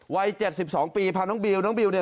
วัย๗๒ปีพาน้องบิวน้องบิวเนี่ย